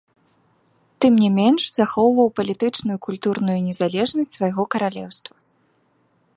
Тым не менш, захоўваў палітычную і культурную незалежнасць свайго каралеўства.